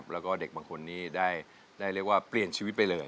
แล้วก็เด็กบางคนนี้ได้เรียกว่าเปลี่ยนชีวิตไปเลย